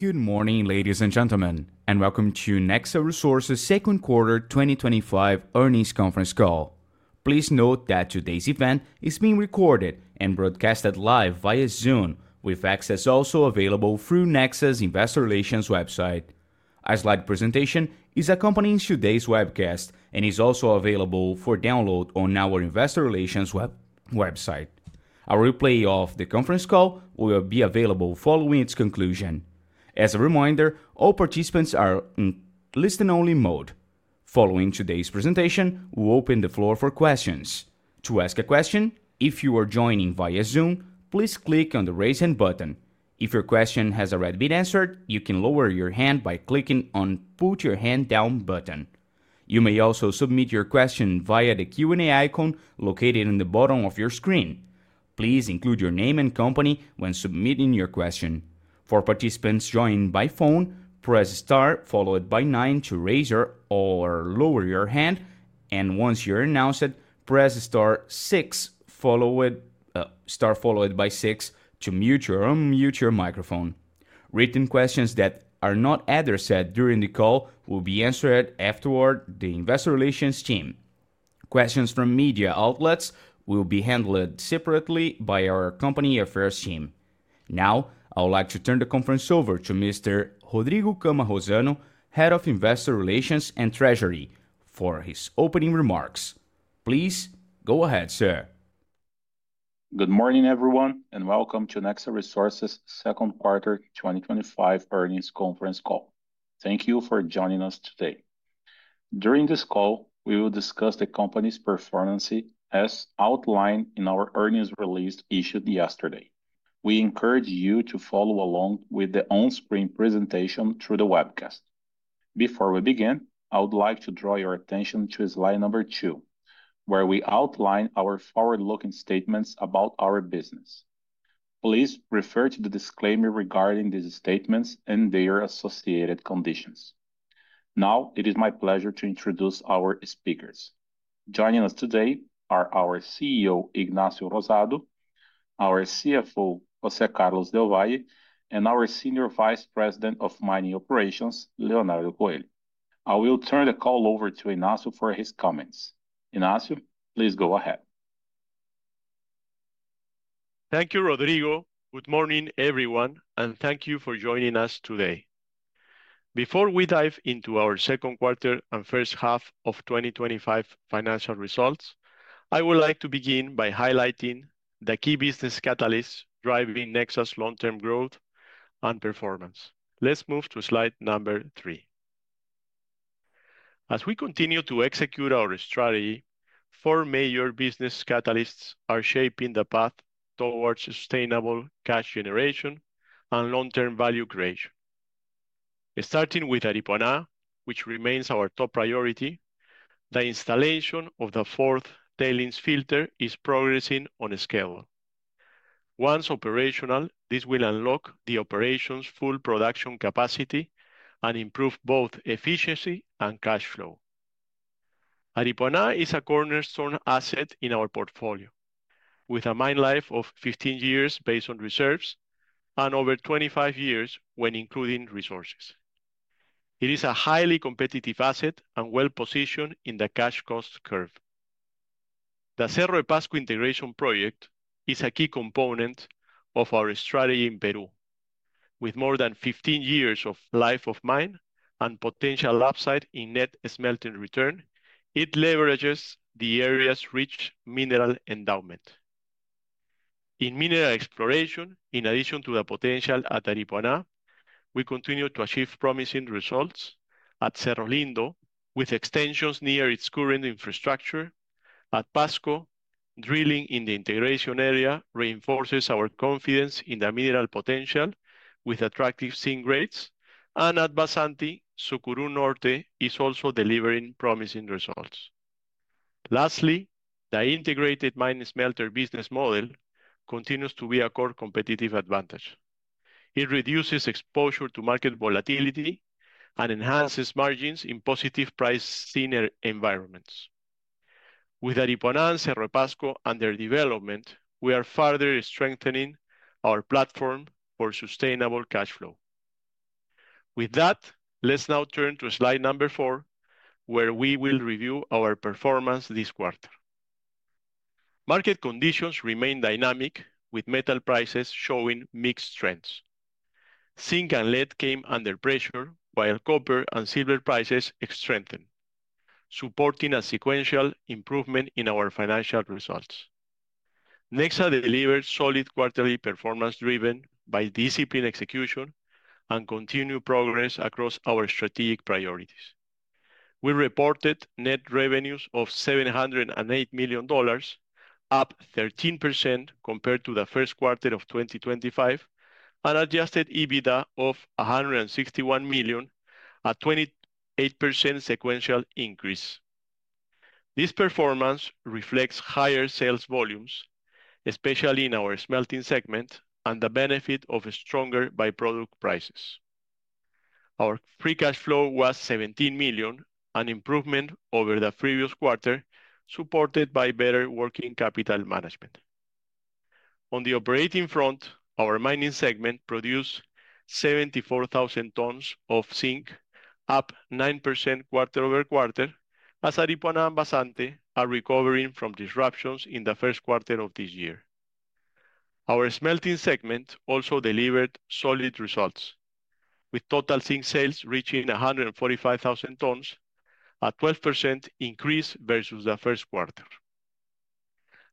Good morning, ladies and gentlemen, and welcome to Nexa Resources' second quarter 2025 earnings conference call. Please note that today's event is being recorded and broadcast live via Zoom, with access also available through Nexa's Investor Relations website. Our slide presentation is accompanying today's webcast and is also available for download on our Investor Relations website. A replay of the conference call will be available following its conclusion. As a reminder, all participants are in listen-only mode. Following today's presentation, we'll open the floor for questions. To ask a question, if you are joining via Zoom, please click on the Raise Hand button. If your question has already been answered, you can lower your hand by clicking on the Put Your Hand Down button. You may also submit your question via the Q&A icon located at the bottom of your screen. Please include your name and company when submitting your question. For participants joining by phone, press star followed by nine to raise or lower your hand, and once you're announced, press star six to mute or unmute your microphone. Written questions that are not either said during the call will be answered afterward by the Investor Relations team. Questions from media outlets will be handled separately by our Company Affairs team. Now, I would like to turn the conference over to Mr. Rodrigo Cammarosano, Head of Investor Relations and Treasury, for his opening remarks. Please go ahead, sir. Good morning, everyone, and welcome to Nexa Resources' second quarter 2025 earnings conference call. Thank you for joining us today. During this call, we will discuss the company's performance as outlined in our earnings release issued yesterday. We encourage you to follow along with the on-screen presentation through the webcast. Before we begin, I would like to draw your attention to Slide Number 2, where we outline our forward-looking statements about our business. Please refer to the disclaimer regarding these statements and their associated conditions. Now, it is my pleasure to introduce our speakers. Joining us today are our CEO, Ignacio Rosado, our CFO, José Carlos del Valle, and our Senior Vice President of Mining Operations, Leonardo Nunes Coelho. I will turn the call over to Ignacio for his comments. Ignacio, please go ahead. Thank you, Rodrigo. Good morning, everyone, and thank you for joining us today. Before we dive into our second quarter and first half of 2025 financial results, I would like to begin by highlighting the key business catalysts driving Nexa's long-term growth and performance. Let's move to Slide Number 3. As we continue to execute our strategy, four major business catalysts are shaping the path towards sustainable cash generation and long-term value creation. Starting with Aripuanã, which remains our top priority, the installation of the fourth tailings filter is progressing on a scale. Once operational, this will unlock the operation's full production capacity and improve both efficiency and cash flow. Aripuanã is a cornerstone asset in our portfolio, with a mine life of 15 years based on reserves and over 25 years when including resources. It is a highly competitive asset and well-positioned in the cash cost curve. The Cerro de Pasco integration project is a key component of our strategy in Peru. With more than 15 years of life of mine and potential upside in net smelting return, it leverages the area's rich mineral endowment. In mineral exploration, in addition to the potential at Aripuanã, we continue to achieve promising results at Cerro Lindo, with extensions near its current infrastructure. At Pasco, drilling in the integration area reinforces our confidence in the mineral potential, with attractive zinc rates, and at Vazante, Sucuri Norte is also delivering promising results. Lastly, the integrated mine smelter business model continues to be a core competitive advantage. It reduces exposure to market volatility and enhances margins in positive price scenery environments. With Aripuanã and Cerro de Pasco under development, we are further strengthening our platform for sustainable cash flow. With that, let's now turn to Slide Number 4, where we will review our performance this quarter. Market conditions remain dynamic, with metal prices showing mixed trends. Zinc and lead came under pressure, while copper and silver prices strengthened, supporting a sequential improvement in our financial results. Nexa delivers solid quarterly performance driven by discipline execution and continued progress across our strategic priorities. We reported net revenues of $708 million, up 13% compared to the first quarter of 2025, and an adjusted EBITDA of $161 million, a 28% sequential increase. This performance reflects higher sales volumes, especially in our smelting segment, and the benefit of stronger by-product prices. Our free cash flow was $17 million, an improvement over the previous quarter, supported by better working capital management. On the operating front, our mining segment produced 74,000 tons of zinc, up 9% quarter over quarter, as Aripuanã and Vazante are recovering from disruptions in the first quarter of this year. Our smelting segment also delivered solid results, with total zinc sales reaching 145,000 tons, a 12% increase versus the first quarter.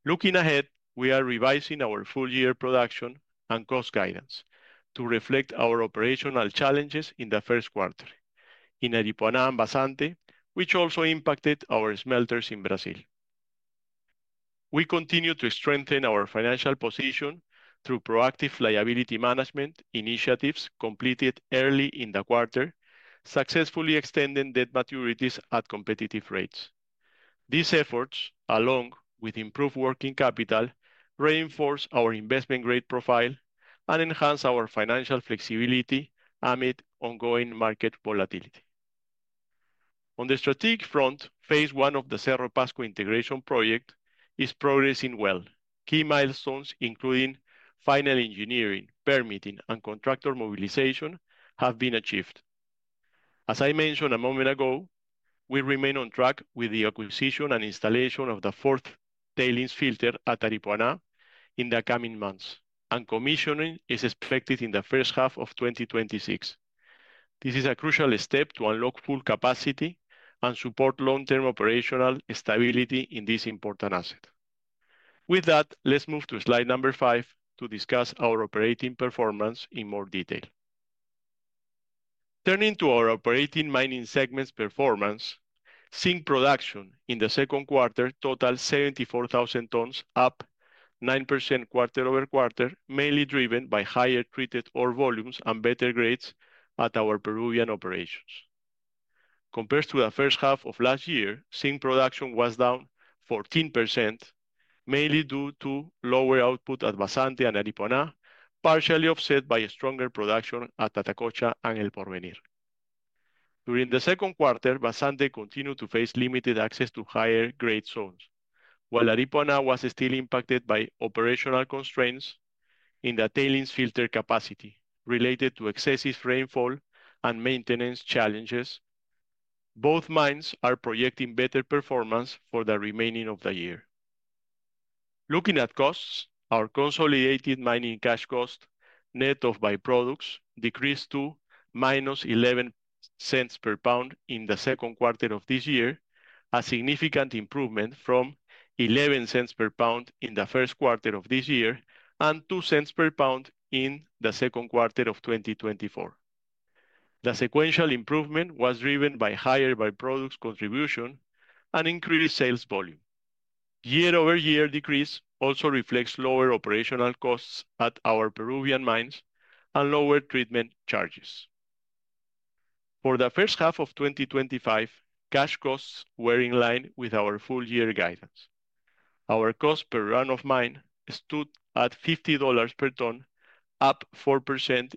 Looking ahead, we are revising our full-year production and cost guidance to reflect our operational challenges in the first quarter, in Aripuanã and Vazante, which also impacted our smelters in Brazil. We continue to strengthen our financial position through proactive liability management initiatives completed early in the quarter, successfully extending debt maturities at competitive rates. These efforts, along with improved working capital, reinforce our investment grade profile and enhance our financial flexibility amid ongoing market volatility. On the strategic front, phase one of the Cerro de Pasco integration project is progressing well. Key milestones, including final engineering, permitting, and contractor mobilization, have been achieved. As I mentioned a moment ago, we remain on track with the acquisition and installation of the fourth tailings filter at Aripuanã in the coming months, and commissioning is expected in the first half of 2026. This is a crucial step to unlock full capacity and support long-term operational stability in this important asset. With that, let's move to Slide Number 5 to discuss our operating performance in more detail. Turning to our operating mining segment's performance, zinc production in the second quarter totals 74,000 tons, up 9% quarter over quarter, mainly driven by higher treated ore volumes and better grades at our Peruvian operations. Compared to the first half of last year, zinc production was down 14%, mainly due to lower output at Vazante and Aripuanã, partially offset by a stronger production at Atacocha and El Porvenir. During the second quarter, Vazante continued to face limited access to higher grade zones, while Aripuanã was still impacted by operational constraints in the tailings filter capacity related to excessive rainfall and maintenance challenges. Both mines are projecting better performance for the remaining of the year. Looking at costs, our consolidated mining cash cost net of by-products decreased to -$0.11 per pound in the second quarter of this year, a significant improvement from $0.11 per pound in the first quarter of this year and $0.02 per pound in the second quarter of 2024. The sequential improvement was driven by higher by-products contribution and increased sales volume. Year-over-year decrease also reflects lower operational costs at our Peruvian mines and lower treatment charges. For the first half of 2025, cash costs were in line with our full-year guidance. Our cost per run of mine stood at $50 per ton, up 4%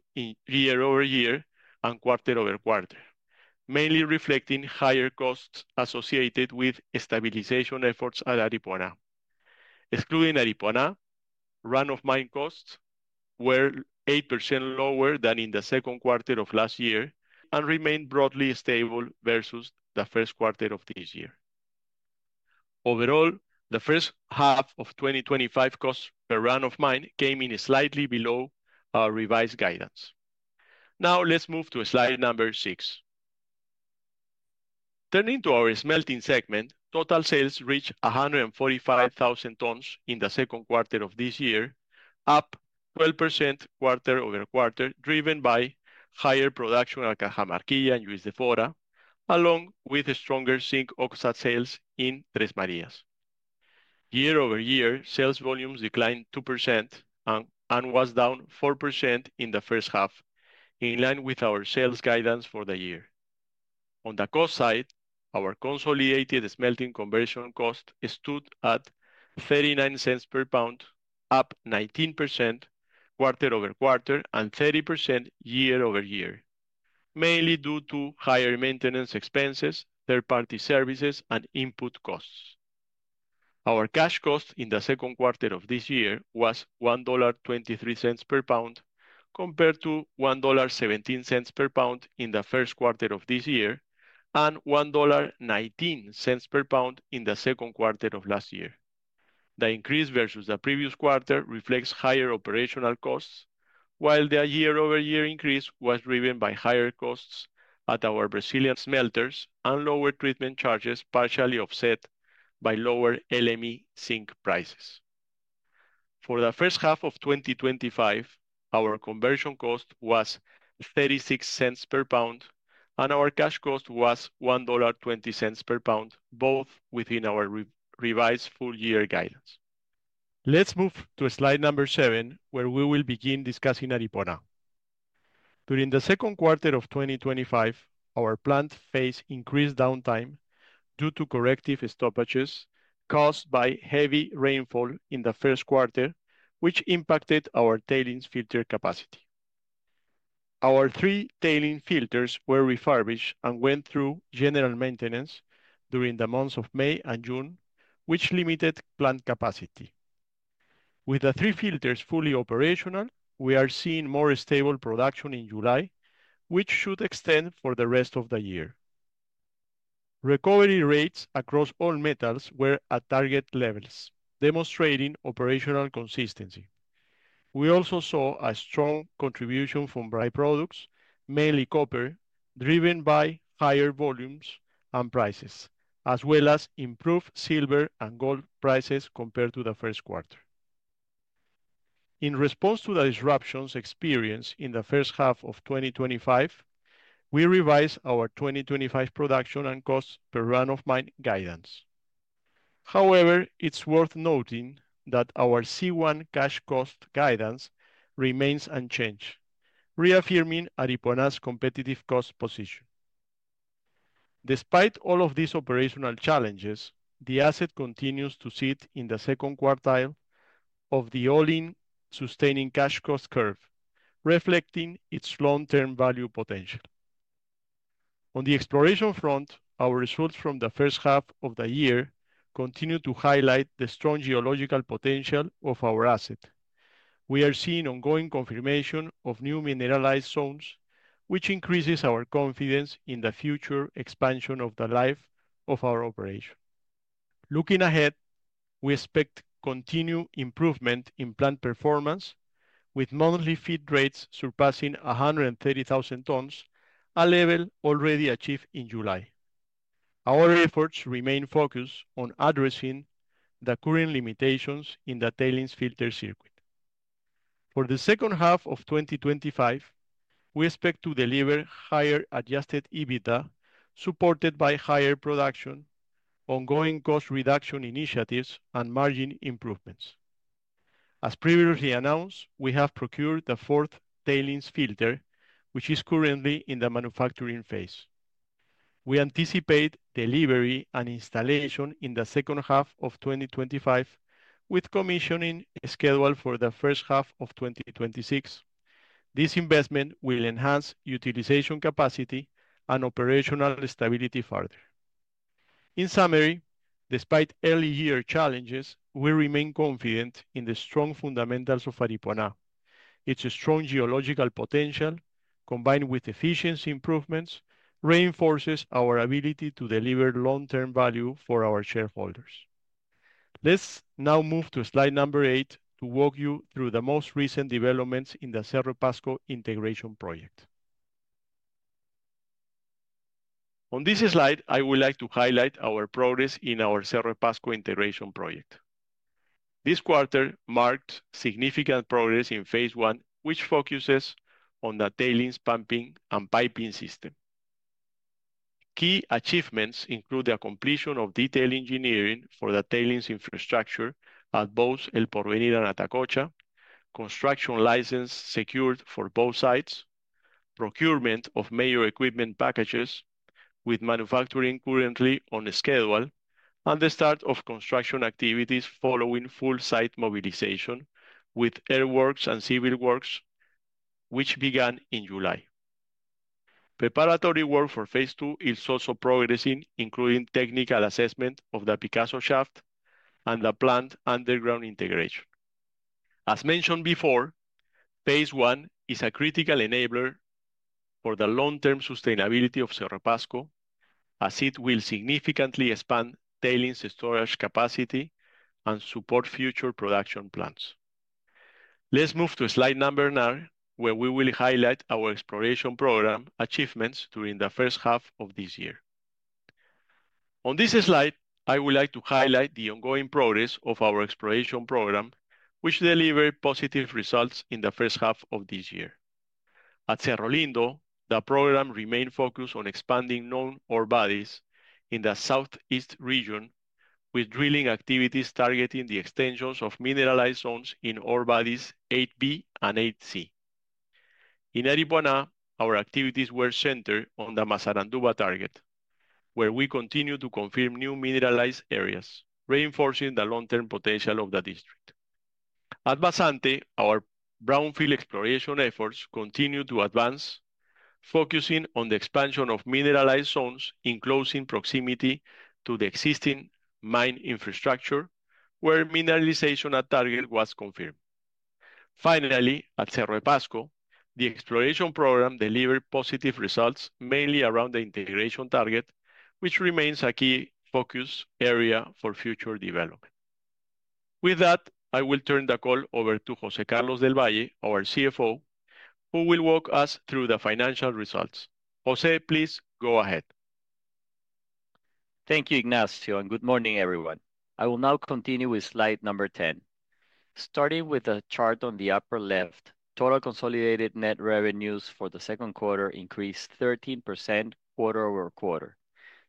year-over-year and quarter over quarter, mainly reflecting higher costs associated with stabilization efforts at Aripuanã. Excluding Aripuanã, run of mine costs were 8% lower than in the second quarter of last year and remained broadly stable versus the first quarter of this year. Overall, the first half of 2025 cost per run of mine came in slightly below our revised guidance. Now, let's move to slide number six. Turning to our smelting segment, total sales reached 145,000 tons in the second quarter of this year, up 12% quarter over quarter, driven by higher production at Cajamarquilla and Juiz de Fora, along with stronger zinc oxide sales in Tres Marias. Year-over-year, sales volumes declined 2% and were down 4% in the first half, in line with our sales guidance for the year. On the cost side, our consolidated smelting conversion cost stood at $0.39 per pound, up 19% quarter over quarter and 30% year-over-year, mainly due to higher maintenance expenses, third-party services, and input costs. Our cash cost in the second quarter of this year was $1.23 per pound, compared to $1.17 per pound in the first quarter of this year and $1.19 per pound in the second quarter of last year. The increase versus the previous quarter reflects higher operational costs, while the year-over-year increase was driven by higher costs at our Brazilian smelters and lower treatment charges, partially offset by lower LME zinc prices. For the first half of 2025, our conversion cost was $0.36 per pound, and our cash cost was $1.20 per pound, both within our revised full-year guidance. Let's move to slide number seven, where we will begin discussing Aripuanã. During the second quarter of 2025, our plants faced increased downtime due to corrective stoppages caused by heavy rainfall in the first quarter, which impacted our tailings filter capacity. Our three tailings filters were refurbished and went through general maintenance during the months of May and June, which limited plant capacity. With the three filters fully operational, we are seeing more stable production in July, which should extend for the rest of the year. Recovery rates across all metals were at target levels, demonstrating operational consistency. We also saw a strong contribution from by-products, mainly copper, driven by higher volumes and prices, as well as improved silver and gold prices compared to the first quarter. In response to the disruptions experienced in the first half of 2025, we revised our 2025 production and cost per run of mine guidance. However, it's worth noting that our C1 cash cost guidance remains unchanged, reaffirming Aripuanã's competitive cost position. Despite all of these operational challenges, the asset continues to sit in the second quartile of the all-in sustaining cash cost curve, reflecting its long-term value potential. On the exploration front, our results from the first half of the year continue to highlight the strong geological potential of our asset. We are seeing ongoing confirmation of new mineralized zones, which increases our confidence in the future expansion of the life of our operation. Looking ahead, we expect continued improvement in plant performance, with monthly feed rates surpassing 130,000 tons, a level already achieved in July. Our efforts remain focused on addressing the current limitations in the tailings filter circuit. For the second half of 2025, we expect to deliver higher adjusted EBITDA supported by higher production, ongoing cost reduction initiatives, and margin improvements. As previously announced, we have procured the fourth tailings filter, which is currently in the manufacturing phase. We anticipate delivery and installation in the second half of 2025, with commissioning scheduled for the first half of 2026. This investment will enhance utilization capacity and operational stability further. In summary, despite early-year challenges, we remain confident in the strong fundamentals of Aripuanã. Its strong geological potential, combined with efficiency improvements, reinforces our ability to deliver long-term value for our shareholders. Let's now move to slide number eight to walk you through the most recent developments in the Cerro de Pasco integration project. On this slide, I would like to highlight our progress in our Cerro de Pasco integration project. This quarter marked significant progress in phase one, which focuses on the tailings pumping and piping system. Key achievements include the completion of detail engineering for the tailings infrastructure at both El Porvenir and Atacocha, construction license secured for both sites, procurement of major equipment packages, with manufacturing currently on schedule, and the start of construction activities following full site mobilization, with earthworks and civil works, which began in July. Preparatory work for phase two is also progressing, including technical assessment of the Picasso shaft and the plant underground integration. As mentioned before, phase one is a critical enabler for the long-term sustainability of Cerro de Pasco, as it will significantly expand tailings storage capacity and support future production plants. Let's move to slide number nine, where we will highlight our exploration program achievements during the first half of this year. On this slide, I would like to highlight the ongoing progress of our exploration program, which delivered positive results in the first half of this year. At Cerro Lindo, the program remained focused on expanding known ore bodies in the southeast region, with drilling activities targeting the extensions of mineralized zones in ore bodies 8B and 8C. In Aripuanã, our activities were centered on the Massaranduba target, where we continue to confirm new mineralized areas, reinforcing the long-term potential of the district. At Vazante, our brownfield exploration efforts continued to advance, focusing on the expansion of mineralized zones in close proximity to the existing mine infrastructure, where mineralization at target was confirmed. Finally, at Cerro de Pasco, the exploration program delivered positive results, mainly around the integration target, which remains a key focus area for future development. With that, I will turn the call over to José Carlos del Valle, our CFO, who will walk us through the financial results. José, please go ahead. Thank you, Ignacio, and good morning, everyone. I will now continue with Slide Number 10. Starting with the chart on the upper left, total consolidated net revenues for the second quarter increased 13% quarter over quarter.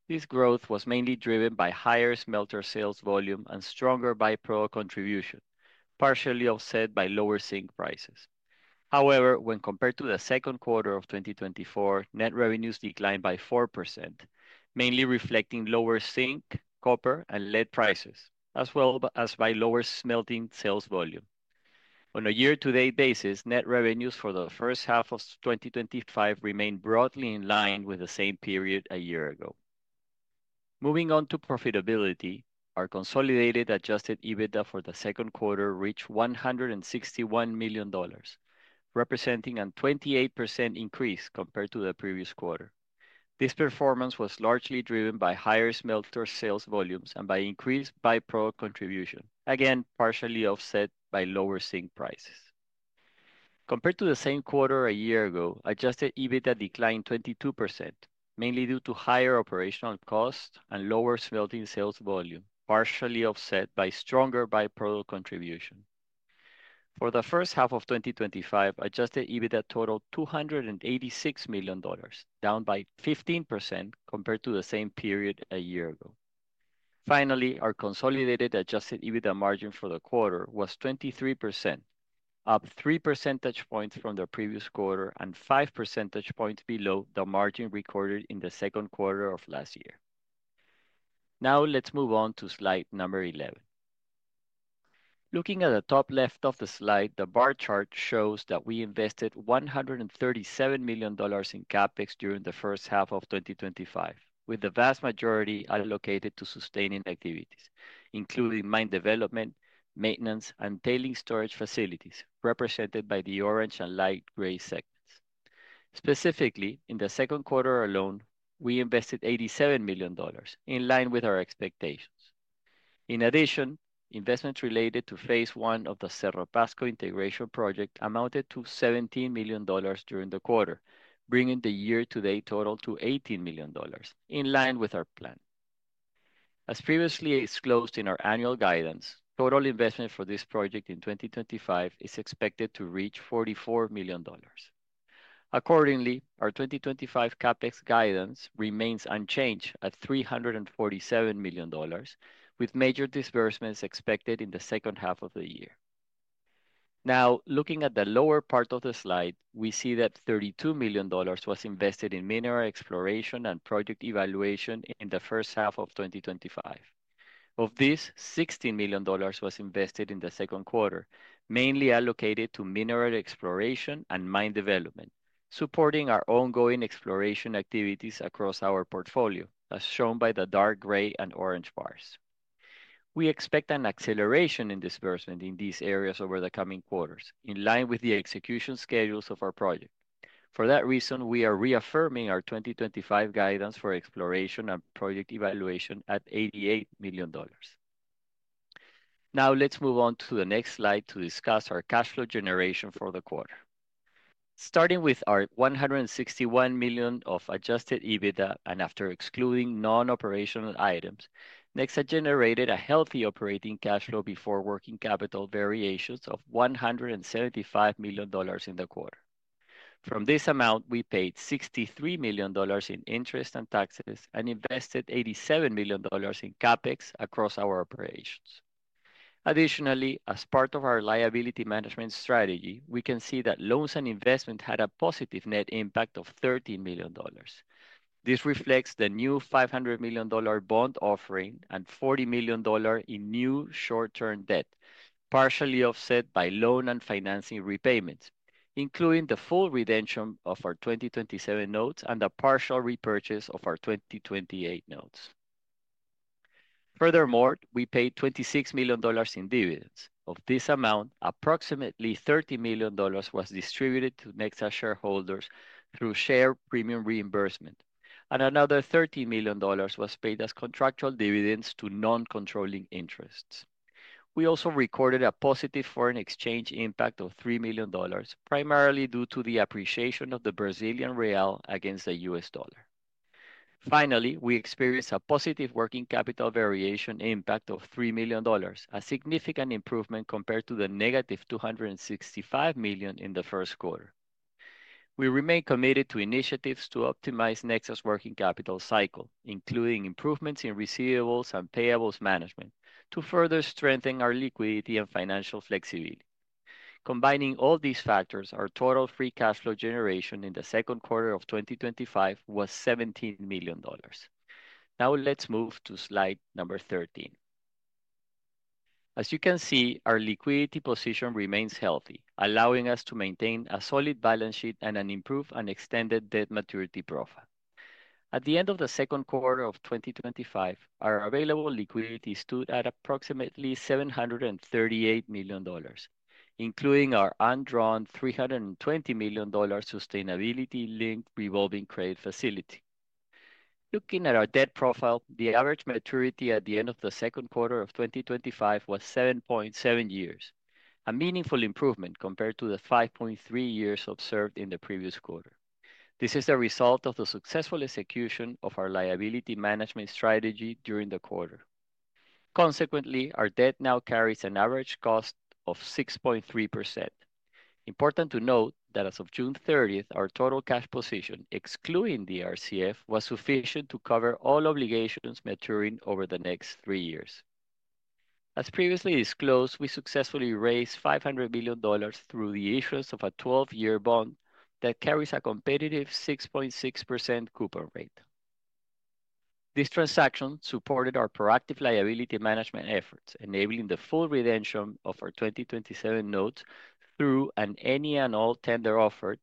This growth was mainly driven by higher smelter sales volume and stronger by-product contribution, partially offset by lower zinc prices. However, when compared to the second quarter of 2024, net revenues declined by 4%, mainly reflecting lower zinc, copper, and lead prices, as well as by lower smelting sales volume. On a year-to-date basis, net revenues for the first half of 2025 remain broadly in line with the same period a year ago. Moving on to profitability, our consolidated adjusted EBITDA for the second quarter reached $161 million, representing a 28% increase compared to the previous quarter. This performance was largely driven by higher smelter sales volumes and by increased by-product contribution, again partially offset by lower zinc prices. Compared to the same quarter a year ago, adjusted EBITDA declined 22%, mainly due to higher operational costs and lower smelting sales volume, partially offset by stronger by-product contribution. For the first half of 2025, adjusted EBITDA totaled $286 million, down by 15% compared to the same period a year ago. Finally, our consolidated adjusted EBITDA margin for the quarter was 23%, up 3 percentage points from the previous quarter and 5 percentage points below the margin recorded in the second quarter of last year. Now, let's move on to Slide Number 11. Looking at the top left of the slide, the bar chart shows that we invested $137 million in CapEx during the first half of 2025, with the vast majority allocated to sustaining activities, including mine development, maintenance, and tailings storage facilities, represented by the orange and light gray segments. Specifically, in the second quarter alone, we invested $87 million, in line with our expectations. In addition, investment related to phase one of the Cerro de Pasco integration project amounted to $17 million during the quarter, bringing the year-to-date total to $18 million, in line with our plan. As previously disclosed in our annual guidance, total investment for this project in 2025 is expected to reach $44 million. Accordingly, our 2025 CapEx guidance remains unchanged at $347 million, with major disbursements expected in the second half of the year. Now, looking at the lower part of the slide, we see that $32 million was invested in mineral exploration and project evaluation in the first half of 2025. Of this, $16 million was invested in the second quarter, mainly allocated to mineral exploration and mine development, supporting our ongoing exploration activities across our portfolio, as shown by the dark gray and orange bars. We expect an acceleration in disbursement in these areas over the coming quarters, in line with the execution schedules of our project. For that reason, we are reaffirming our 2025 guidance for exploration and project evaluation at $88 million. Now, let's move on to the next slide to discuss our cash flow generation for the quarter. Starting with our $161 million of adjusted EBITDA, and after excluding non-operational items, Nexa generated a healthy operating cash flow before working capital variations of $175 million in the quarter. From this amount, we paid $63 million in interest and taxes and invested $87 million in CapEx across our operations. Additionally, as part of our liability management strategy, we can see that loans and investment had a positive net impact of $13 million. This reflects the new $500 million bond issuance and $40 million in new short-term debt, partially offset by loan and financing repayments, including the full redemption of our 2027 notes and a partial repurchase of our 2028 notes. Furthermore, we paid $26 million in dividends. Of this amount, approximately $30 million was distributed to Nexa shareholders through share premium reimbursement, and another $30 million was paid as contractual dividends to non-controlling interests. We also recorded a positive foreign exchange impact of $3 million, primarily due to the appreciation of the Brazilian real against the U.S. dollar. Finally, we experienced a positive working capital variation impact of $3 million, a significant improvement compared to the negative $265 million in the first quarter. We remain committed to initiatives to optimize Nexa working capital cycle, including improvements in receivables and payables management, to further strengthen our liquidity and financial flexibility. Combining all these factors, our total free cash flow generation in the second quarter of 2025 was $17 million. Now, let's move to Slide Number 13. As you can see, our liquidity position remains healthy, allowing us to maintain a solid balance sheet and an improved and extended debt maturity profile. At the end of the second quarter of 2025, our available liquidity stood at approximately $738 million, including our undrawn $320 million sustainability-linked revolving credit facility. Looking at our debt profile, the average maturity at the end of the second quarter of 2025 was 7.7 years, a meaningful improvement compared to the 5.3 years observed in the previous quarter. This is a result of the successful execution of our liability management strategy during the quarter. Consequently, our debt now carries an average cost of 6.3%. Important to note that as of June 30th, our total cash position, excluding the RCF, was sufficient to cover all obligations maturing over the next three years. As previously disclosed, we successfully raised $500 million through the issuance of a 12-year bond that carries a competitive 6.6% coupon rate. This transaction supported our proactive liability management efforts, enabling the full redemption of our 2027 notes through an any-and-all tender offer,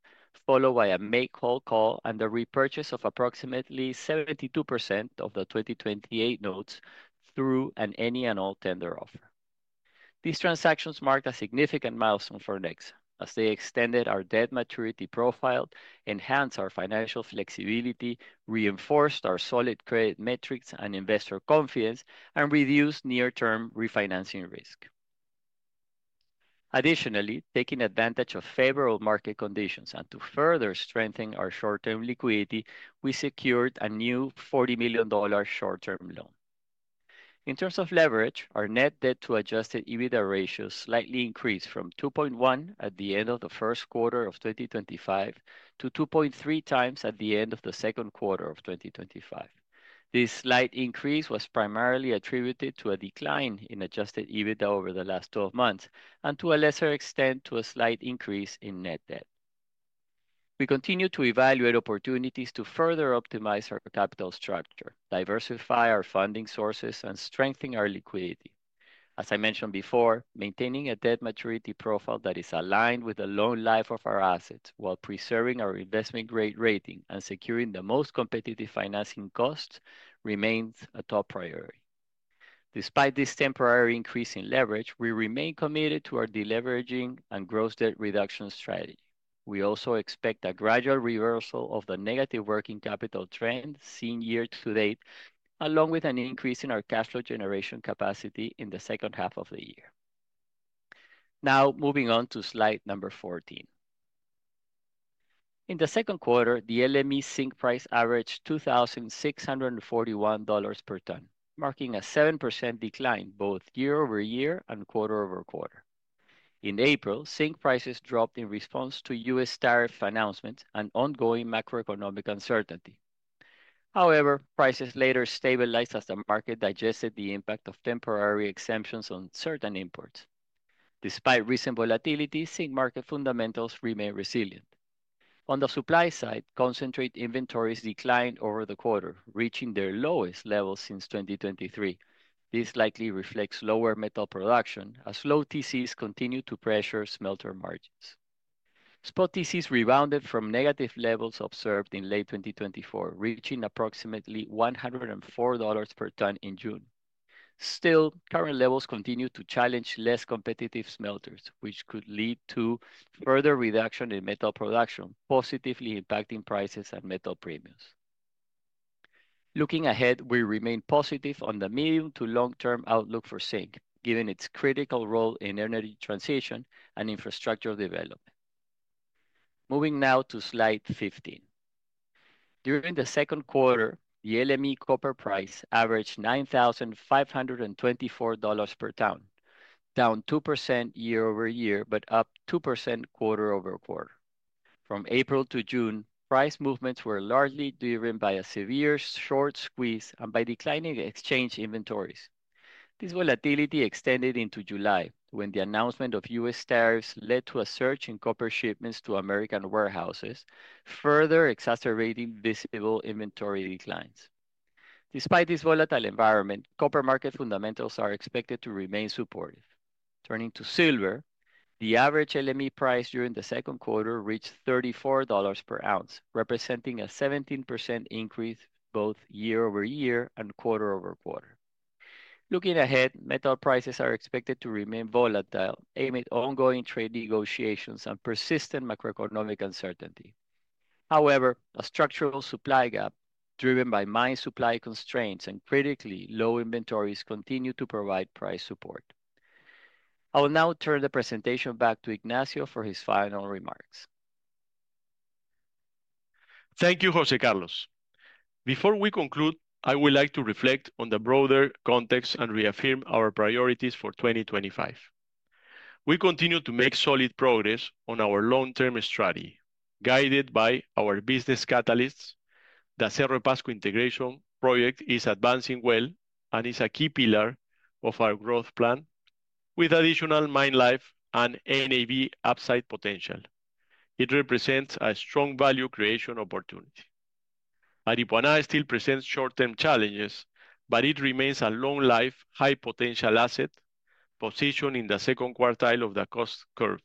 followed by a make-call call and the repurchase of approximately 72% of the 2028 notes through an any-and-all tender offer. These transactions marked a significant milestone for Nexa, as they extended our debt maturity profile, enhanced our financial flexibility, reinforced our solid credit metrics and investor confidence, and reduced near-term refinancing risk. Additionally, taking advantage of favorable market conditions and to further strengthen our short-term liquidity, we secured a new $40 million short-term loan. In terms of leverage, our net debt-to-adjusted EBITDA ratio slightly increased from 2.1x at the end of the first quarter of 2025 to 2.3x at the end of the second quarter of 2025. This slight increase was primarily attributed to a decline in adjusted EBITDA over the last 12 months and to a lesser extent to a slight increase in net debt. We continue to evaluate opportunities to further optimize our capital structure, diversify our funding sources, and strengthen our liquidity. As I mentioned before, maintaining a debt maturity profile that is aligned with the loan life of our assets, while preserving our investment grade rating and securing the most competitive financing costs, remains a top priority. Despite this temporary increase in leverage, we remain committed to our deleveraging and gross debt reduction strategy. We also expect a gradual reversal of the negative working capital trend seen year to date, along with an increase in our cash flow generation capacity in the second half of the year. Now, moving on to slide number 14. In the second quarter, the LME zinc price averaged $2,641 per ton, marking a 7% decline both year-over-year and quarter-over-quarter. In April, zinc prices dropped in response to U.S. tariff announcements and ongoing macroeconomic uncertainty. However, prices later stabilized as the market digested the impact of temporary exemptions on certain imports. Despite recent volatility, zinc market fundamentals remain resilient. On the supply side, concentrate inventories declined over the quarter, reaching their lowest levels since 2023. This likely reflects lower metal production, as low TCs continue to pressure smelter margins. Spot TCs rebounded from negative levels observed in late 2023, reaching approximately $104 per ton in June. Still, current levels continue to challenge less competitive smelters, which could lead to further reduction in metal production, positively impacting prices and metal premiums. Looking ahead, we remain positive on the medium to long-term outlook for zinc, given its critical role in energy transition and infrastructure development. Moving now to slide 15. During the second quarter, the LME copper price averaged $9,524 per ton, down 2% year-over-year but up 2% quarter-over-quarter. From April to June, price movements were largely driven by a severe short squeeze and by declining exchange inventories. This volatility extended into July, when the announcement of U.S. tariffs led to a surge in copper shipments to American warehouses, further exacerbating visible inventory declines. Despite this volatile environment, copper market fundamentals are expected to remain supportive. Turning to silver, the average LME price during the second quarter reached $34 per ounce, representing a 17% increase both year-over-year and quarter-over-quarter. Looking ahead, metal prices are expected to remain volatile, amid ongoing trade negotiations and persistent macroeconomic uncertainty. However, a structural supply gap, driven by mine supply constraints and critically low inventories, continues to provide price support. I will now turn the presentation back to Ignacio for his final remarks. Thank you, José Carlos. Before we conclude, I would like to reflect on the broader context and reaffirm our priorities for 2025. We continue to make solid progress on our long-term strategy, guided by our business catalysts. The Cerro de Pasco integration project is advancing well and is a key pillar of our growth plan, with additional mine life and NAV upside potential. It represents a strong value creation opportunity. Aripuanã still presents short-term challenges, but it remains a long-life, high-potential asset positioned in the second quartile of the cost curve.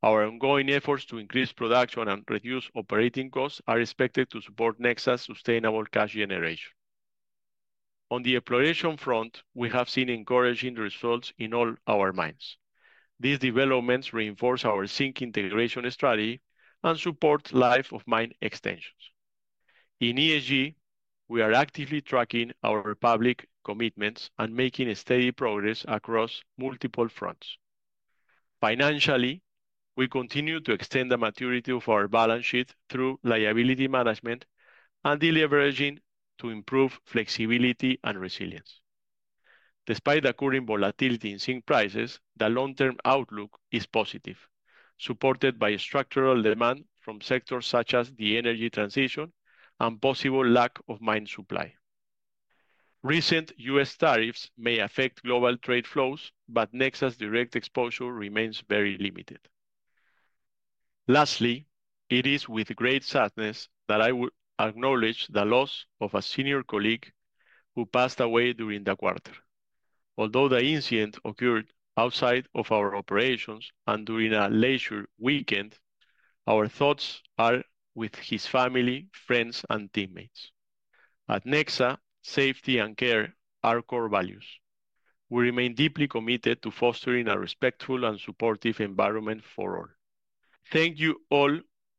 Our ongoing efforts to increase production and reduce operating costs are expected to support Nexa's sustainable cash generation. On the exploration front, we have seen encouraging results in all our mines. These developments reinforce our zinc integration strategy and support life-of-mine extensions. In ESG, we are actively tracking our public commitments and making steady progress across multiple fronts. Financially, we continue to extend the maturity of our balance sheet through liability management and deleveraging to improve flexibility and resilience. Despite the current volatility in zinc prices, the long-term outlook is positive, supported by structural demand from sectors such as the energy transition and possible lack of mine supply. Recent U.S. tariffs may affect global trade flows, but Nexa's direct exposure remains very limited. Lastly, it is with great sadness that I will acknowledge the loss of a senior colleague who passed away during the quarter. Although the incident occurred outside of our operations and during a leisure weekend, our thoughts are with his family, friends, and teammates. At Nexa, safety and care are core values. We remain deeply committed to fostering a respectful and supportive environment for all. Thank you all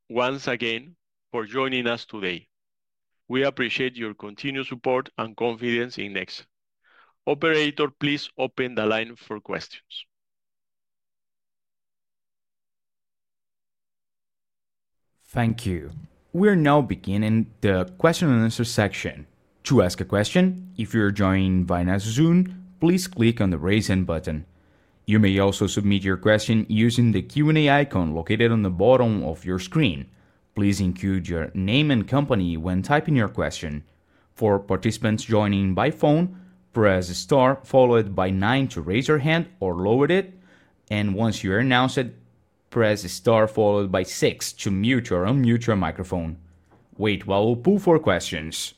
once again for joining us today. We appreciate your continued support and confidence in Nexa. Operator, please open the line for questions. Thank you. We are now beginning the question and answer section. To ask a question, if you're joined by Nexa Zoom, please click on the Raise Hand button. You may also submit your question using the Q&A icon located on the bottom of your screen. Please include your name and company when typing your question. For participants joining by phone, press star followed by nine to raise your hand or lower it, and once you are announced, press star followed by six to mute or unmute your microphone. Wait while we pull for questions.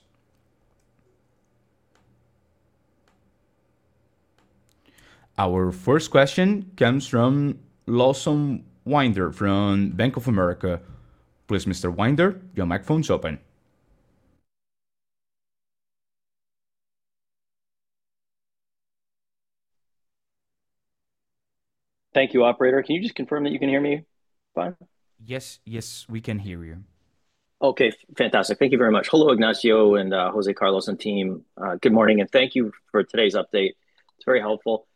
Our first question comes from Lawson Winder from Bank of America. Please, Mr. Winder, your microphone's open. Thank you, Operator. Can you just confirm that you can hear me? Yes, yes, we can hear you. Okay, fantastic. Thank you very much. Hello, Ignacio and José Carlos and team. Good morning, and thank you for today's update. It's very helpful.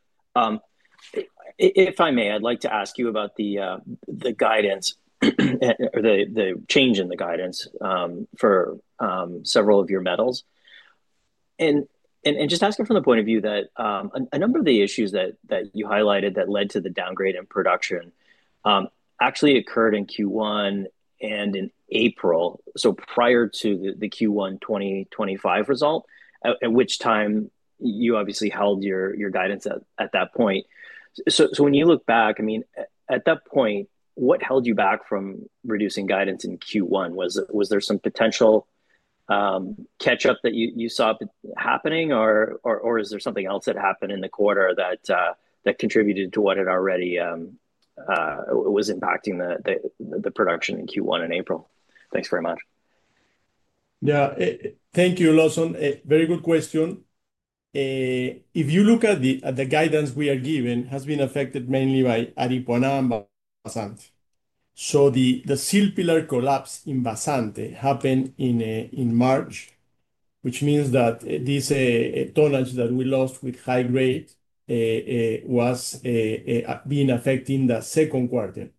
If I may, I'd like to ask you about the guidance or the change in the guidance for several of your metals. Just asking from the point of view that a number of the issues that you highlighted that led to the downgrade in production actually occurred in Q1 and in April, prior to the Q1 2025 result, at which time you obviously held your guidance at that point. When you look back, at that point, what held you back from reducing guidance in Q1? Was there some potential catch-up that you saw happening, or is there something else that happened in the quarter that contributed to what it already was impacting the production in Q1 in April? Thanks very much. Yeah, thank you, Lawson. Very good question. If you look at the guidance we are given, it has been affected mainly by Aripuanã and Vazante. The sill pillar collapse in Vazante happened in March, which means that this tonnage that we lost with high grade was being affected in the second quarter.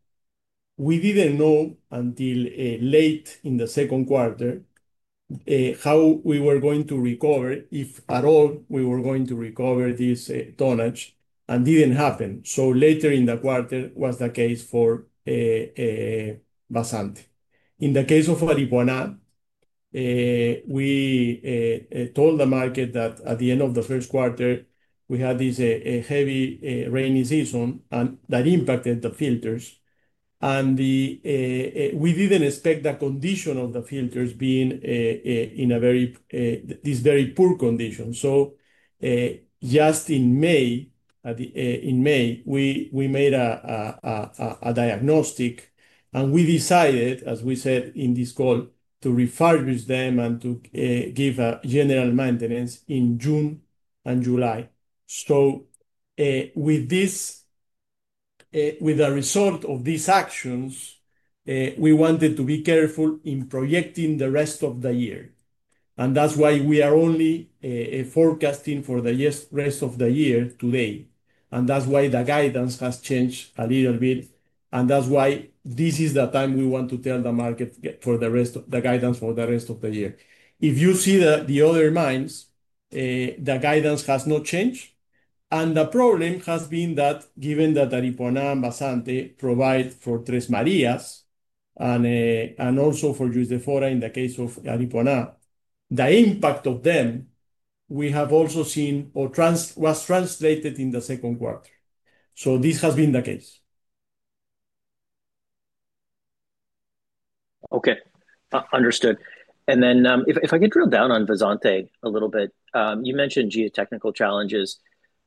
We didn't know until late in the second quarter how we were going to recover, if at all we were going to recover this tonnage, and it didn't happen. Later in the quarter was the case for Vazante. In the case of Aripuanã, we told the market that at the end of the first quarter, we had this heavy rainy season that impacted the filters, and we didn't expect the condition of the filters to be in a very poor condition. Just in May, we made a diagnostic, and we decided, as we said in this call, to refurbish them and to give a general maintenance in June and July. With the result of these actions, we wanted to be careful in projecting the rest of the year. That's why we are only forecasting for the rest of the year today. That's why the guidance has changed a little bit. This is the time we want to tell the market for the rest of the guidance for the rest of the year. If you see the other mines, the guidance has not changed. The problem has been that given that Aripuanã and Vazante provide for Tres Marias and also for Juiz de Fora in the case of Aripuanã, the impact of them we have also seen was translated in the second quarter. This has been the case. Okay, understood. If I get drilled down on Vazante a little bit, you mentioned geotechnical challenges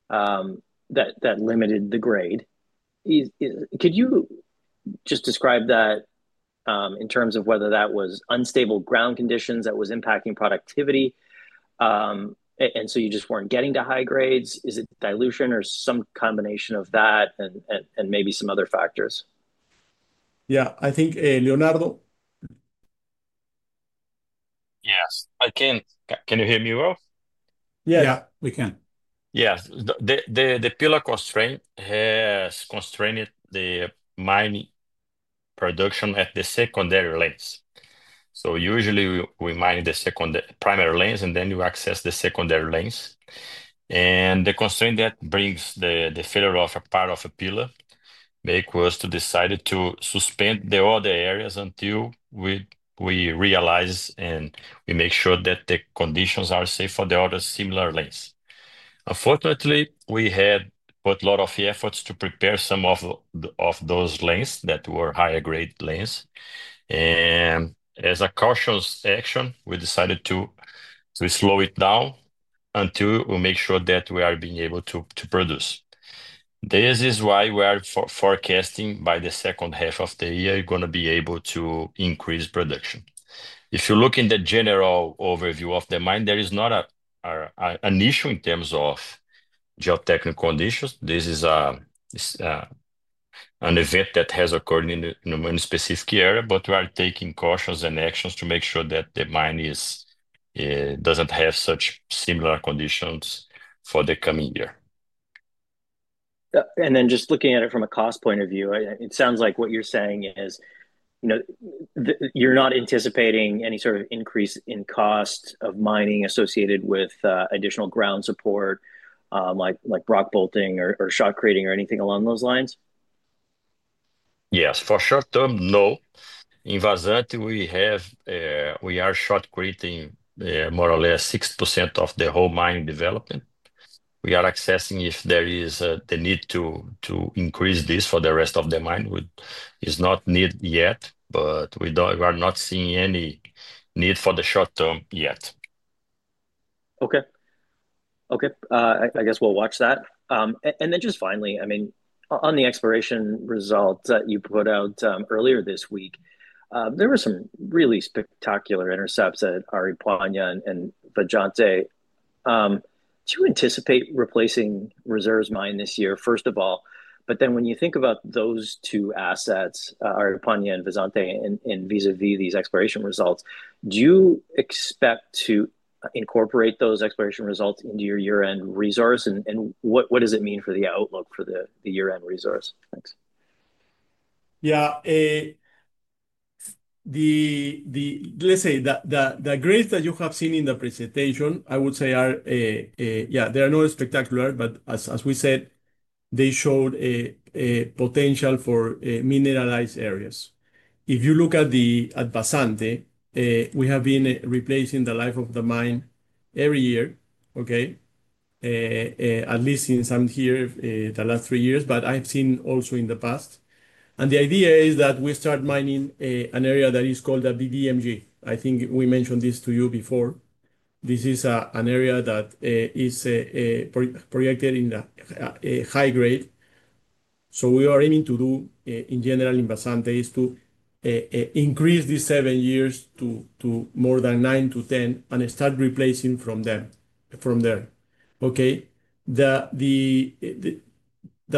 that limited the grade. Could you just describe that in terms of whether that was unstable ground conditions that was impacting productivity? You just weren't getting to high grades? Is it dilution or some combination of that and maybe some other factors? Yeah, I think Leonardo. Yes, I can. Can you hear me well? Yeah, yeah, we can. Yeah, the pillar constraint has constrained the mine production at the secondary lanes. Usually, we mine the primary lanes and then you access the secondary lanes. The constraint that brings the filler off a part of a pillar makes us decide to suspend the other areas until we realize and we make sure that the conditions are safe for the other similar lanes. Unfortunately, we had put a lot of efforts to prepare some of those lanes that were higher grade lanes. As a caution action, we decided to slow it down until we make sure that we are being able to produce. This is why we are forecasting by the second half of the year, we're going to be able to increase production. If you look in the general overview of the mine, there is not an issue in terms of geotechnical conditions. This is an event that has occurred in a specific area, but we are taking cautions and actions to make sure that the mine doesn't have such similar conditions for the coming year. Just looking at it from a cost point of view, it sounds like what you're saying is you're not anticipating any sort of increase in costs of mining associated with additional ground support, like rock bolting or shotcreting or anything along those lines? Yes, for short term, no. In Vazante, we have, we are shotcreting more or less 60% of the whole mine development. We are assessing if there is the need to increase this for the rest of the mine. It's not needed yet, but we are not seeing any need for the short term yet. Okay. Okay, I guess we'll watch that. And then just finally, I mean, on the exploration results that you put out earlier this week, there were some really spectacular intercepts at Aripuanã and Vazante. Do you anticipate replacing Reserves Mine this year, first of all? When you think about those two assets, Aripuanã and Vazante, and vis-à-vis these exploration results, do you expect to incorporate those exploration results into your year-end resource? What does it mean for the outlook for the year-end resource? Yeah, let's say the grades that you have seen in the presentation, I would say are, yeah, they are not spectacular, but as we said, they show a potential for mineralized areas. If you look at Vazante, we have been replacing the life of the mine every year, at least since I'm here the last three years, but I've seen also in the past. The idea is that we start mining an area that is called the BDMG. I think we mentioned this to you before. This is an area that is projected in the high grade. What we are aiming to do, in general, in Vazante, is to increase these seven years to more than nine to ten and start replacing from there. The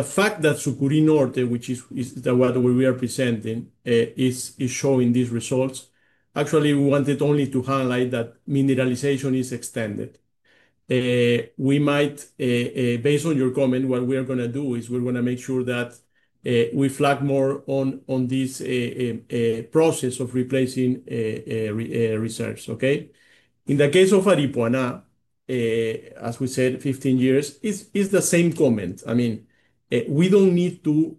fact that Sucuri Norte, which is the one where we are presenting, is showing these results, actually, we wanted only to highlight that mineralization is extended. We might, based on your comment, what we are going to do is we're going to make sure that we flag more on this process of replacing reserves. In the case of Aripuanã, as we said, 15 years is the same comment. I mean, we don't need to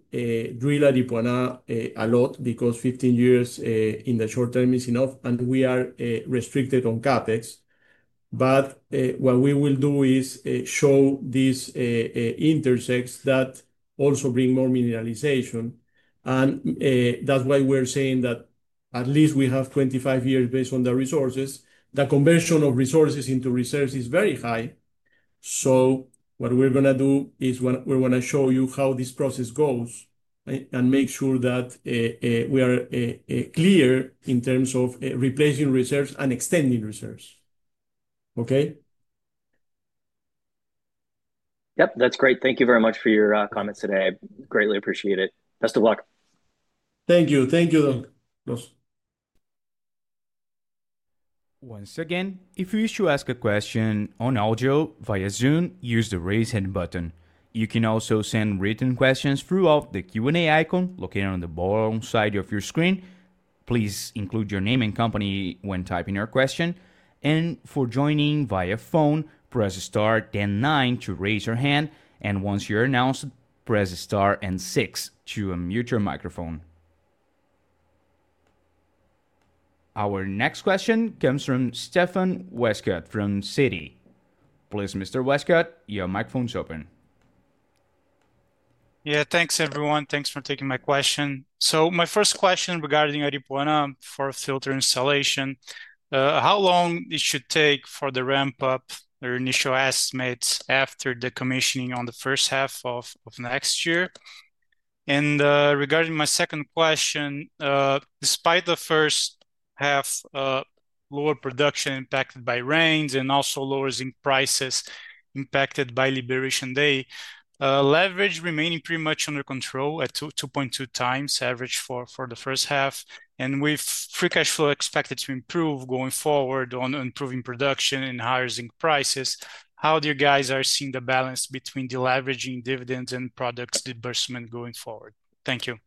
drill Aripuanã a lot because 15 years in the short term is enough and we are restricted on CapEx. What we will do is show these intercepts that also bring more mineralization. That's why we're saying that at least we have 25 years based on the resources. The conversion of resources into reserves is very high. What we're going to do is we're going to show you how this process goes and make sure that we are clear in terms of replacing reserves and extending reserves. Yep, that's great. Thank you very much for your comments today. I greatly appreciate it. Best of luck. Thank you. Thank you, though. Once again, if you wish to ask a question on audio via Zoom, use the Raise Hand button. You can also send written questions through the Q&A icon located on the bottom side of your screen. Please include your name and company when typing your question. For joining via phone, press star then nine to raise your hand. Once you're announced, press star and six to unmute your microphone. Our next question comes from Stefan Weskott from Citi. Please, Mr. Weskott, your microphone's open. Yeah, thanks, everyone. Thanks for taking my question. My first question regarding Aripuanã for filter installation, how long it should take for the ramp-up or initial estimates after decommissioning on the first half of next year? Regarding my second question, despite the first half lower production impacted by rains and also lower zinc prices impacted by Liberation Day, leverage remaining pretty much under control at 2.2x average for the first half, and with free cash flow expected to improve going forward on improving production and higher zinc prices, how do you guys see the balance between deleveraging, dividends, and product reimbursement going forward? Thank you.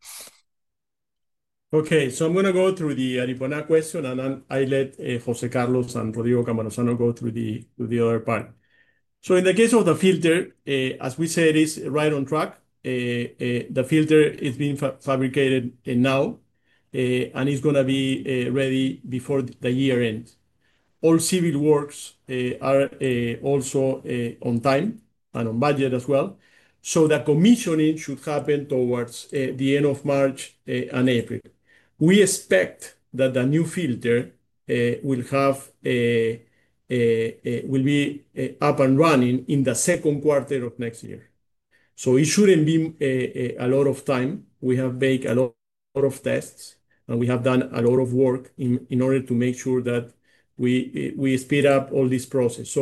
Okay, so I'm going to go through the Aripuanã question and I'll let José Carlos and Rodrigo Cammarosano go through the other part. In the case of the filter, as we said, it's right on track. The filter is being fabricated now and it's going to be ready before the year end. All civil works are also on time and on budget as well. The commissioning should happen towards the end of March and April. We expect that the new filter will be up and running in the second quarter of next year. It shouldn't be a lot of time. We have baked a lot of tests and we have done a lot of work in order to make sure that we speed up all this process.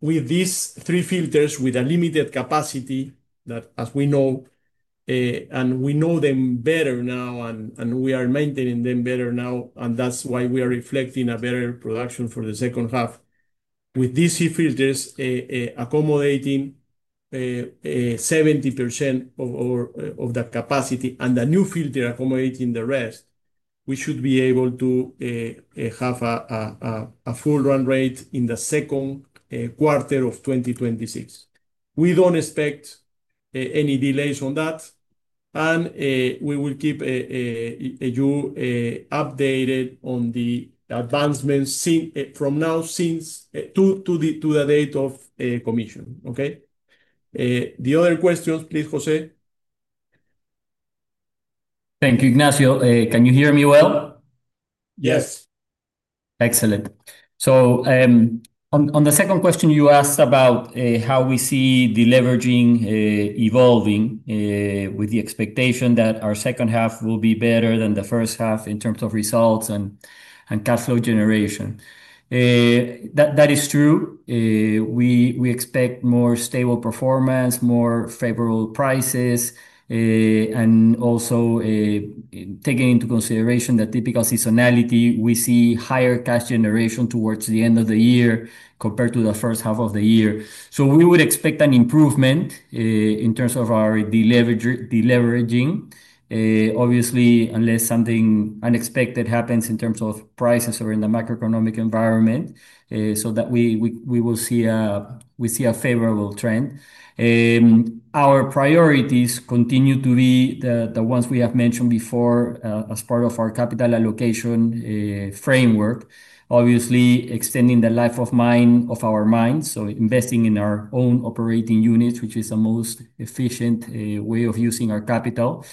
With these three filters with a limited capacity that, as we know, and we know them better now and we are maintaining them better now, that's why we are reflecting a better production for the second half. With these three filters accommodating 70% of the capacity and the new filter accommodating the rest, we should be able to have a full run rate in the second quarter of 2026. We don't expect any delays on that and we will keep you updated on the advancements from now to the date of commission. Okay? The other questions, please, José. Thank you, Ignacio. Can you hear me well? Yes. Excellent. On the second question, you asked about how we see deleveraging evolving with the expectation that our second half will be better than the first half in terms of results and cash flow generation. That is true. We expect more stable performance, more favorable prices, and also, taking into consideration the typical seasonality, we see higher cash generation towards the end of the year compared to the first half of the year. We would expect an improvement in terms of our deleveraging, obviously, unless something unexpected happens in terms of prices or in the macroeconomic environment, so that we will see a favorable trend. Our priorities continue to be the ones we have mentioned before as part of our capital allocation framework, obviously extending the life-of-mine of our mines, so investing in our own operating units, which is the most efficient way of using our capital,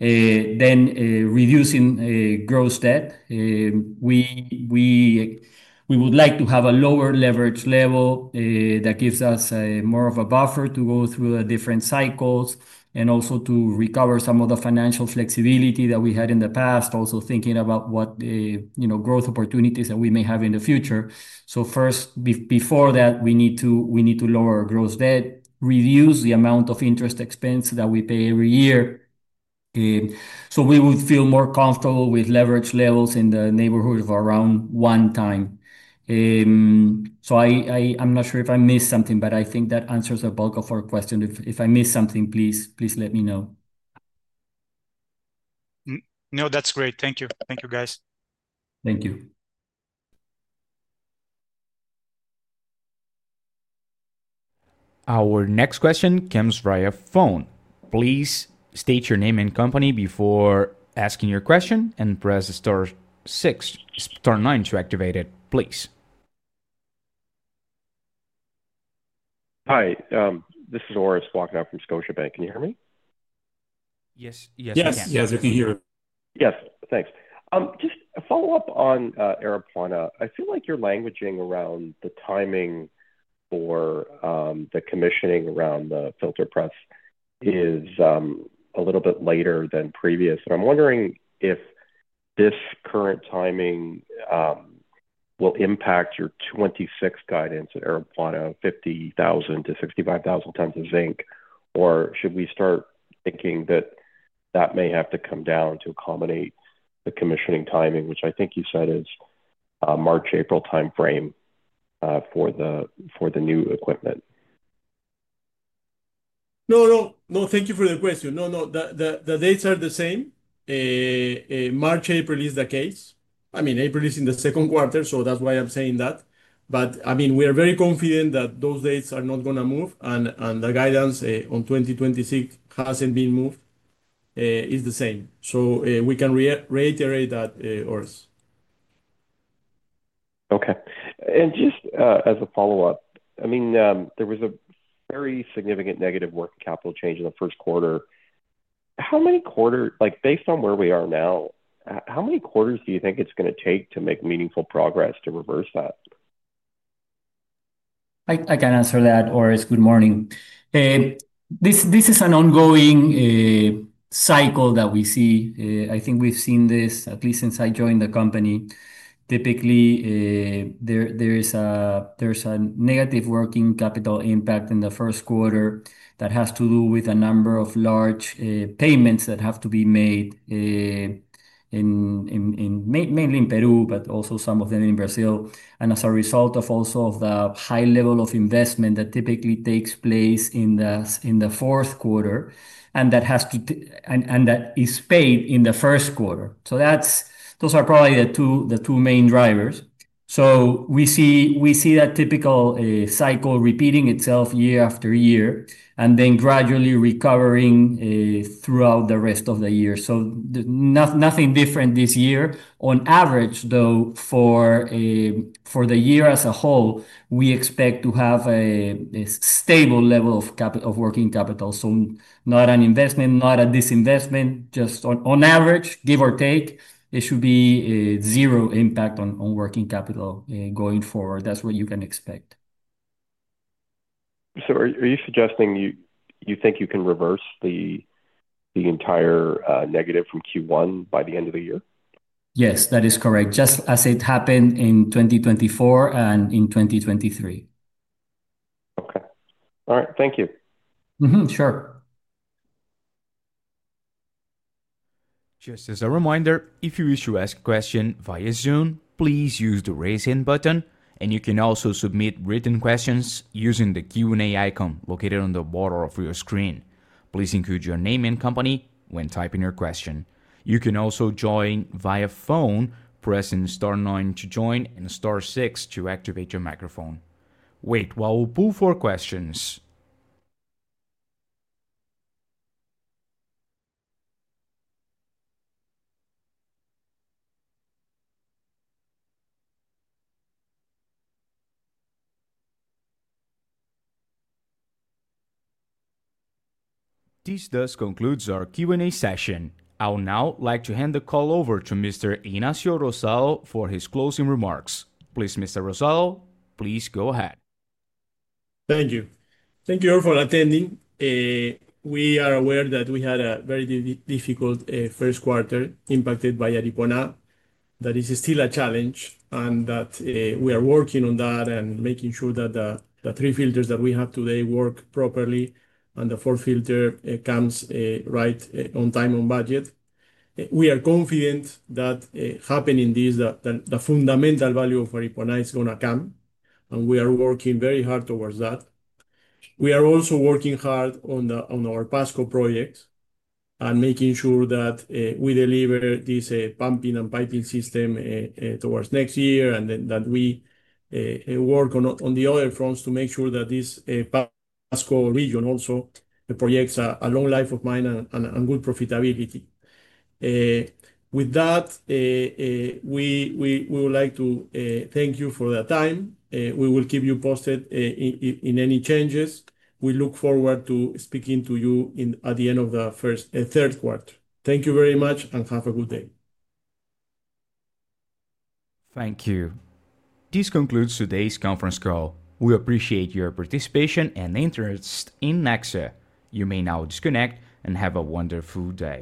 then reducing gross debt. We would like to have a lower leverage level that gives us more of a buffer to go through the different cycles and also to recover some of the financial flexibility that we had in the past, also thinking about what growth opportunities that we may have in the future. First, before that, we need to lower our gross debt, reduce the amount of interest expense that we pay every year. We would feel more comfortable with leverage levels in the neighborhood of around one time. I'm not sure if I missed something, but I think that answers the bulk of our questions. If I missed something, please let me know. No, that's great. Thank you. Thank you, guys. Thank you. Our next question comes via phone. Please state your name and company before asking your question, and press star nine to activate it, please. Hi, this is Orest Wowkodaw walking out from Scotiabank. Can you hear me? Yes, yes, Yes, we can hear you. Yes, thanks. Just a follow-up on Aripuanã. I feel like your languaging around the timing for the commissioning around the filter press is a little bit later than previous. I'm wondering if this current timing will impact your 2026 guidance at Aripuanã, 50,000-65,000 tons of zinc, or should we start thinking that that may have to come down to accommodate the commissioning timing, which I think you said is a March-April timeframe for the new equipment? Thank you for the question. No, the dates are the same. March-April is the case. I mean, April is in the second quarter, so that's why I'm saying that. I mean, we are very confident that those dates are not going to move and the guidance on 2026 hasn't been moved, it is the same. We can reiterate that, Orest. Okay. Just as a follow-up, I mean, there was a very significant negative working capital change in the first quarter. How many quarters, like based on where we are now, how many quarters do you think it's going to take to make meaningful progress to reverse that? I can answer that, Orest. Good morning. This is an ongoing cycle that we see. I think we've seen this at least since I joined the company. Typically, there's a negative working capital impact in the first quarter that has to do with a number of large payments that have to be made, mainly in Peru, but also some of them in Brazil. As a result of also the high level of investment that typically takes place in the fourth quarter and that is paid in the first quarter, those are probably the two main drivers. We see that typical cycle repeating itself year-after-year and then gradually recovering throughout the rest of the year. Nothing different this year. On average, though, for the year as a whole, we expect to have a stable level of working capital. Not an investment, not a disinvestment, just on average, give or take, it should be zero impact on working capital going forward. That's what you can expect. Are you suggesting you think you can reverse the entire negative from Q1 by the end of the year? Yes, that is correct, just as it happened in 2024 and in 2023. All right, thank you. Sure. Just as a reminder, if you wish to ask a question via Zoom, please use the Raise Hand button, and you can also submit written questions using the Q&A icon located on the bottom of your screen. Please include your name and company when typing your question. You can also join via phone, pressing star nine to join and star six to activate your microphone. Wait while we pull for questions. This does conclude our Q&A session. I would now like to hand the call over to Mr. Ignacio Rosado for his closing remarks. Please, Mr. Rosado, please go ahead. Thank you. Thank you all for attending. We are aware that we had a very difficult first quarter impacted by Aripuanã. That is still a challenge and that we are working on that and making sure that the three filters that we have today work properly, and the fourth filter comes right on time, on budget. We are confident that happening this, the fundamental value of Aripuanã is going to come, and we are working very hard towards that. We are also working hard on our Pasco project and making sure that we deliver this pumping and piping system towards next year, and then that we work on the other fronts to make sure that this Pasco region also projects a long life of mine and good profitability. With that, we would like to thank you for the time. We will keep you posted in any changes. We look forward to speaking to you at the end of the third quarter. Thank you very much and have a good day. Thank you. This concludes today's conference call. We appreciate your participation and interest in Nexa Resources. You may now disconnect and have a wonderful day.